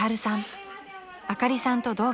［あかりさんと同期］